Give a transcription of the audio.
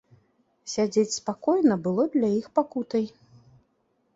Сядзець спакойна было для іх пакутай.